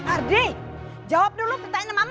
ardi jawab dulu pertanyaan mama ardi